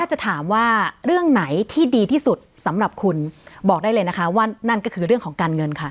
จะถามว่าเรื่องไหนที่ดีที่สุดสำหรับคุณบอกได้เลยนะคะว่านั่นก็คือเรื่องของการเงินค่ะ